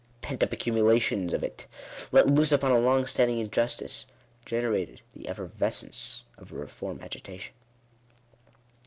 Pent up accumulations of it, let loose upon a long standing injustice, generated the effervescence of a reform agitation.